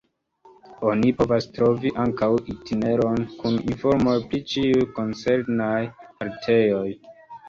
Oni povas trovi ankaŭ itineron kun informoj pri ĉiuj koncernaj haltejoj.